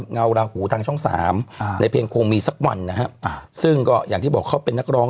เงาราหูทางช่องสามในเพลงคงมีสักวันนะฮะซึ่งก็อย่างที่บอกเขาเป็นนักร้อง